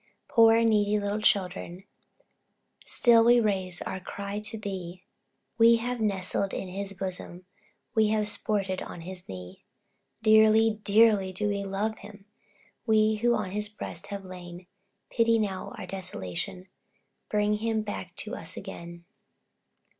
Poor and needy little children, Still we raise our cry to Thee We have nestled in his bosom, We have sported on his knee; Dearly, dearly do we love him, We, who on his breast have lain Pity now our desolation! Bring him back to us again!